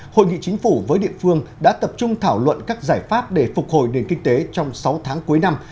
hội nghị chính phủ với địa phương đã tập trung thảo luận các giải pháp để phục hồi nền kinh tế trong sáu tháng cuối năm